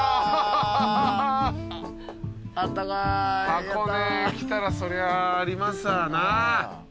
箱根来たらそりゃありますわな。